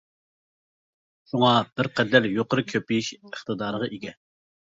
شۇڭا، بىرقەدەر يۇقىرى كۆپىيىش ئىقتىدارىغا ئىگە.